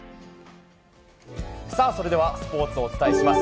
それではスポーツをお伝えします。